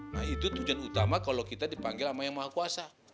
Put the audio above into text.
nah itu tujuan utama kalau kita dipanggil sama yang maha kuasa